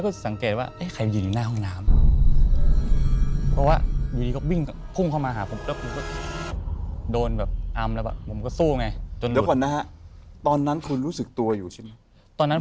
เดี๋ยวก่อนนะฮะตอนนั้นคุณรู้สึกตัวอยู่ใช่ไหม